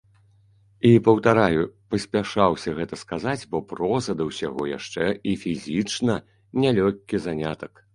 І, паўтараю, паспяшаўся гэта сказаць, бо проза, да ўсяго, яшчэ і фізічна нялёгкі занятак.